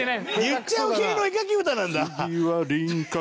言っちゃう系の絵描き歌なんだ。